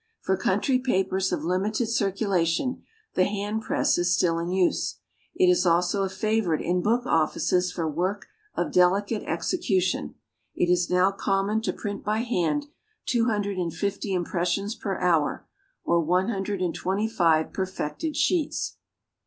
For country papers of limited circulation, the hand press is still in use; it is also a favorite in book offices for work of delicate execution. It is now common to print by hand two hundred and fifty impressions per hour, or one hundred and twenty five perfected sheets.